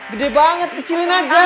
gede banget kecilin aja